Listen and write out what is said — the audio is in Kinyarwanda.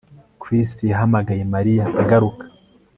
Chris yahamagaye Mariya agaruka